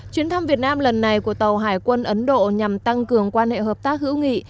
chuyến thăm việt nam lần này của tàu hải quân ấn độ nhằm tăng cường quan hệ hợp tác hữu nghị